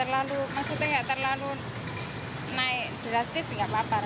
maksudnya enggak terlalu naik drastis enggak lapar